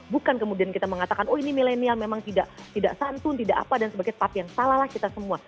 bukan kemudian kita mengatakan oh ini milenial memang tidak santun tidak apa dan sebagainya tapi yang salah lah kita semua